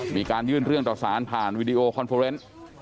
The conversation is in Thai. มีการยื่นเรื่องต่อศาลผ่านวิดีโอคอนโฟรเชิร์น